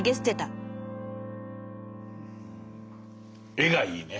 絵がいいね。